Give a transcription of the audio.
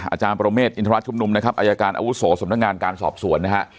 อาจารย์ประโลเมฆอินทรัฐชุมนุมอรรยาการอาวุศวสำนักงานการสอบสวนนะฮะ